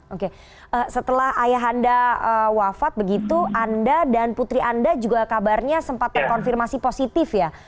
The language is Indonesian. oke setelah ayah anda wafat begitu anda dan putri anda juga kabarnya sempat terkonfirmasi positif ya